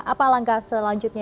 apa langkah selanjutnya